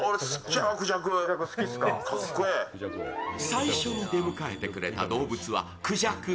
最初に出迎えてくれた動物はクジャク。